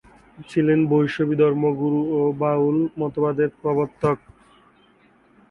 ছিলেন বৈষ্ণবী ধর্মগুরু ও বাউল মতবাদের প্রবর্তক।